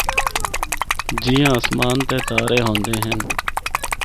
جِیّاں اسمان تے تارے ہوندے ہن۔